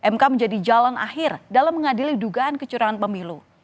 mk menjadi jalan akhir dalam mengadili dugaan kecurangan pemilu